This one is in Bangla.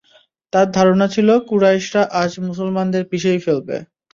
তার ধারণা ছিল, কুরাইশরা আজ মুসলমানদের পিষেই ফেলবে।